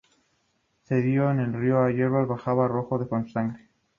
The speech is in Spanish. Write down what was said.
Se dijo que el río Aller bajaba rojo con su sangre.